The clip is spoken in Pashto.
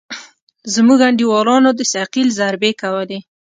زموږ انډيوالانو د ثقيل ضربې کولې.